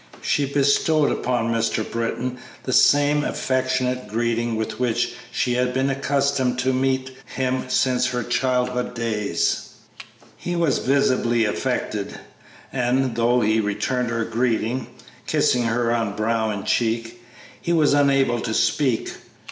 She bestowed upon Mr. Britton the same affectionate greeting with which she had been accustomed to meet him since her childhood's days. He was visibly affected, and though he returned her greeting, kissing her on brow and cheek, he was unable to speak.